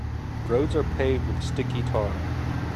Roads are paved with sticky tar.